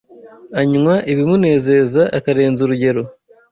anywa ibimunezeza akarenza urugero